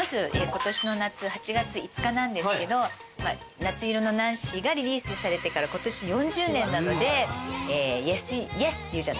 今年の夏８月５日なんですけど『夏色のナンシー』がリリースされてから今年４０年なので「Ｙｅｓ！」って言うじゃないですか。